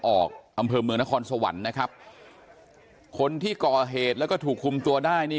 ออกอำเภอเมืองนครสวรรค์นะครับคนที่ก่อเหตุแล้วก็ถูกคุมตัวได้นี่